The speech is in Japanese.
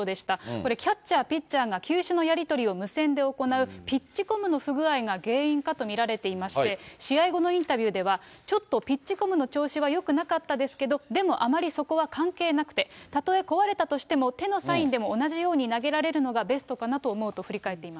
これ、キャッチャー、ピッチャーが球種のやり取りを無線で行うピッチコムの不具合が原因かと見られていまして、試合後のインタビューではちょっとピッチコムのよくなかったですけど、でもあまりそこは関係なくて、たとえ壊れたとしても手のサインでも同じように投げられるのがベストかなと思うと振り返っています。